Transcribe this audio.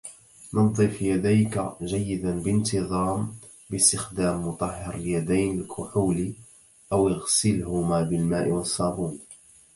نظف يديك جيداً بانتظام باستخدام مطهر اليدين الكحولي أو اغسلهما بالماء والصابون